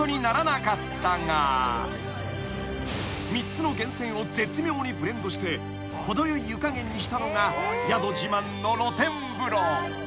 ［３つの源泉を絶妙にブレンドして程よい湯加減にしたのが宿自慢の露天風呂］